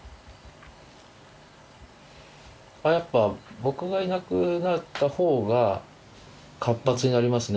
あっやっぱ僕がいなくなったほうが活発になりますね